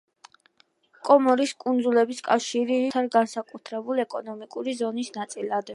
კომორის კუნძულების კავშირი რიფს მიიჩნევს საკუთარი განსაკუთრებული ეკონომიკური ზონის ნაწილად.